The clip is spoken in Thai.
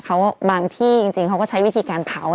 เขาบางที่จริงเขาก็ใช้วิธีการเผา